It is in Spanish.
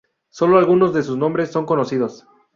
Sólo algunos de sus nombres son conocidos.